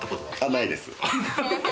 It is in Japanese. ないです。